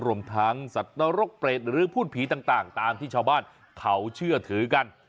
รวมทั้งสัตว์นรกเปรตหรือพูดผีต่างตามที่ชาวบ้านเขาเชื่อถือกัน